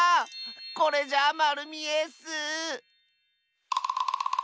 これじゃあまるみえッス！